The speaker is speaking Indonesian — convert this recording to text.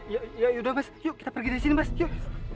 ya ya ya udah mas yuk kita pergi dari sini mas yuk